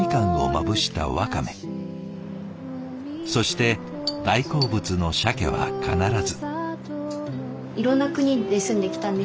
そして大好物のシャケは必ず。